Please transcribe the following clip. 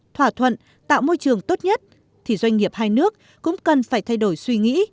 thỏa thuận tạo môi trường tốt nhất thì doanh nghiệp hai nước cũng cần phải thay đổi suy nghĩ